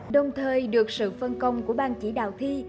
đồng thời được sự phân công của bang chỉ đạo thi